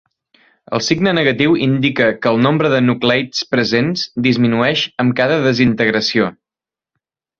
El signe negatiu indica que el nombre de nucleids pressents disminueix amb cada desintegració.